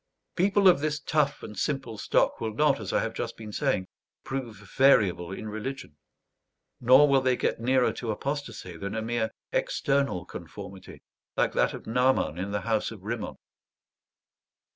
People of this tough and simple stock will not, as I have just been saying, prove variable in religion; nor will they get nearer to apostasy than a mere external conformity like that of Naaman in the house of Rimmon.